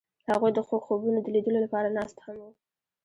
هغوی د خوږ خوبونو د لیدلو لپاره ناست هم وو.